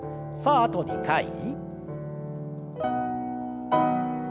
さああと２回。